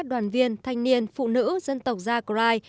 đoàn viên thanh niên phụ nữ dân tộc giác lai